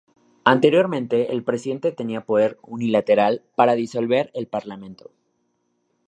Anteriormente el presidente tenía poder unilateral para disolver el parlamento.